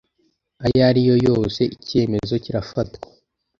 ayo ariyo yose icyemezo kirafatwa